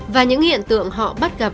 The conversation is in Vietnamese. và những hiện tượng họ bắt gặp